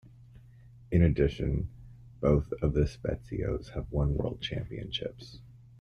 In addition, both of the Spiezios have won World Championships.